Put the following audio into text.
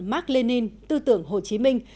mark lenin tư tưởng hồ chí minh